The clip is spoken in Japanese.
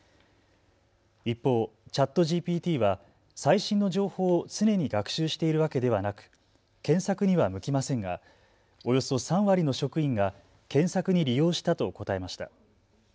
一方、ＣｈａｔＧＰＴは最新の情報を常に学習しているわけではなく、検索には向きませんがおよそ３割の職員が検索に利用したと答えました。